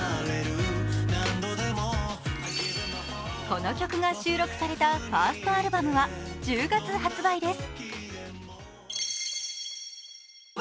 この曲が収録されたファーストアルバムは１０月発売です。